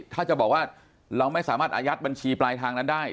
ถ้าจะบอกว่าเราไม่สามารถอายัดบัญชีปลายทางนั้นได้